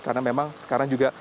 karena memang sekarang juga